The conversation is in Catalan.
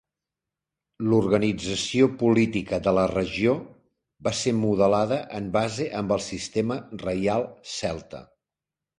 L'organització política de la regió va ser modelada en base amb el sistema reial celta.